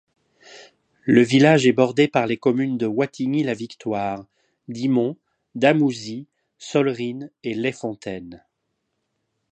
Le village est bordé par les communes de Wattignies-la-Victoire, Dimont, Damousies, Solrinnes et Lez-Fontaine.